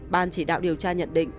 ban chỉ đạo điều tra nhận định